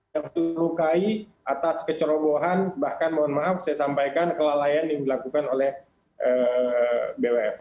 terlukai atas kecerobohan bahkan mohon maaf saya sampaikan kelalaian yang dilakukan oleh bwf